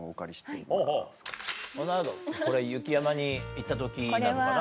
なるほどこれ雪山に行った時なのかな？